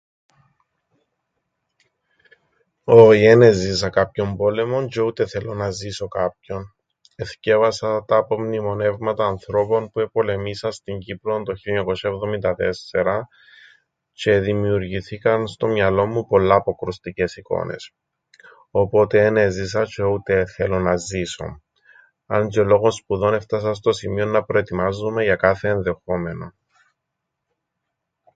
Όι εν έζησα κάποιον πόλεμον τζ̆αι ούτε θέλω να ζήσω κάποιον. Εθκιέβασα τα απομνημονεύματα ανθρώπων που επολεμήσαν στην Κύπρον το χίλια ενιακόσ̆ια εβδομήντα τέσσερα, τζ̆αι εδημιουργηθήκαν στο μυαλόν μου πολλά αποκρουστικές εικόνες. Οπότε εν έζησα τζ̆αι ούτε θέλω να ζήσω, αν τζ̆αι λόγον σπουδών έφτασα στο σημείον τζ̆αι προετοιμάζομαι για κάθε ενδεχόμενον.